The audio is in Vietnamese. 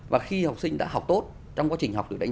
và khi học sinh đã học tốt trong quá trình học phổ thông